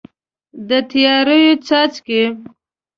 د تیارو څاڅکي